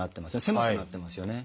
狭くなってますよね。